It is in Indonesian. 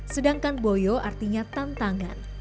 sedangkan boyo artinya tantangan